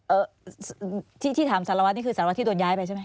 เอ่อที่ที่ถามสารวัสนี่คือสารวัตที่โดนย้ายไปใช่ไหม